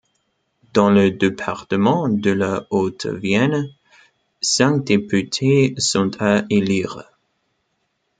Dans le département de la Haute-Vienne, cinq députés sont à élire.